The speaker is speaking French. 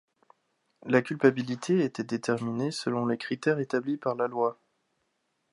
La culpabilité était déterminée selon des critères établis par la Loi.